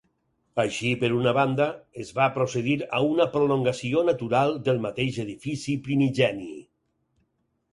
Així per una banda, es va procedir a una prolongació natural del mateix edifici primigeni.